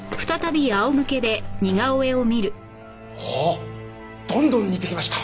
あっ！どんどん似てきました。